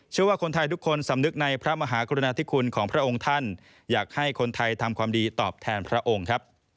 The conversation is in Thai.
ว่าคนไทยทุกคนสำนึกในพระมหากรุณาธิคุณของพระองค์ท่านอยากให้คนไทยทำความดีตอบแทนพระองค์ครับ